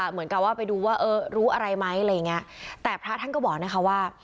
เหมือนกับว่าไปดูว่าเออรู้อะไรไหมอะไรอย่างเงี้ยแต่พระท่านก็บอกนะคะว่า